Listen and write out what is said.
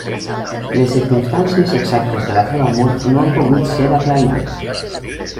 Les circumstàncies exactes de la seva mort no han pogut ser aclarides.